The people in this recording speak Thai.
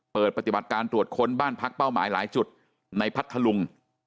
เปิดปฏิบัติการตรวจค้นบ้านพักเป้าหมายหลายจุดในพัทธลุง